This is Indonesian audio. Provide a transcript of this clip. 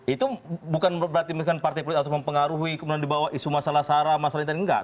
itu bukan berarti misalkan partai politik harus mempengaruhi kemudian dibawa isu masalah sara masalah yang tadi enggak